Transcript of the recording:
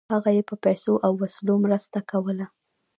هغه یې په پیسو او وسلو مرسته کوله.